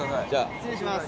失礼します。